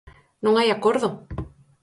Non hai acordo.